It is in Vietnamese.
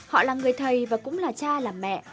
họ là người thầy và cũng là cha là mẹ